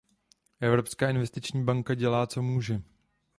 Evropská investiční banka dělá, co může.